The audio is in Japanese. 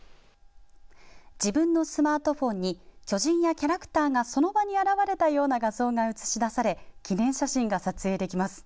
自分のスマートフォンに巨人やキャラクターがその場に現れたような画像が映し出され記念写真が撮影できます。